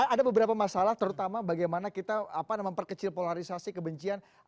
ada beberapa masalah terutama bagaimana kita memperkecil polarisasi kebencian